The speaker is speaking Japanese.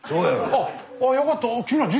あっあよかった。